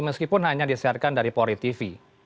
meskipun hanya disiarkan dari polri tv